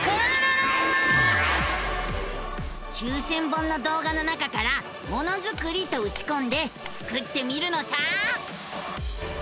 ９，０００本の動画の中から「ものづくり」とうちこんでスクってみるのさ！